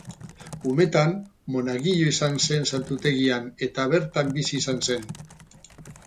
Umetan monagilo izan zen santutegian eta bertan bizi izan zen.